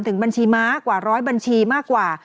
ถึงบัญชีม้ากว่าร้อยบัญชีมากกว่า